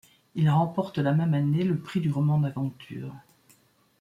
Il remporte la même année le prix du roman d'aventures.